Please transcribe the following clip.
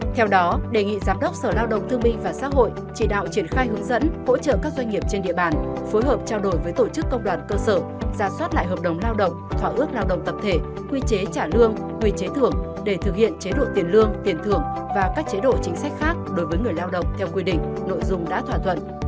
theo đó đề nghị giám đốc sở lao động thương minh và xã hội chỉ đạo triển khai hướng dẫn hỗ trợ các doanh nghiệp trên địa bàn phối hợp trao đổi với tổ chức công đoàn cơ sở giả soát lại hợp đồng lao động thỏa ước lao động tập thể quy chế trả lương quy chế thưởng để thực hiện chế độ tiền lương tiền thưởng và các chế độ chính sách khác đối với người lao động theo quy định nội dung đã thỏa thuận